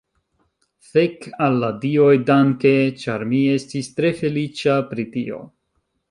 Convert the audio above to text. Fek, al la dioj danke! ĉar mi estis tre feliĉa pri tio.